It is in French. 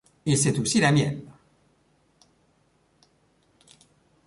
Et c’est aussi la mienne !